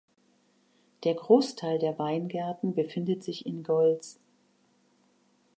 Der Großteil der Weingärten befindet sich in Gols.